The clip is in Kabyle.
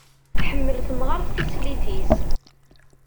Tḥemmel temɣart tislit-is.